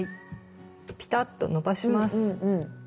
ピタッとのばします。